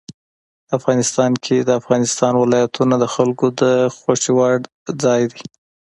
افغانستان کې د افغانستان ولايتونه د خلکو د خوښې وړ ځای دی.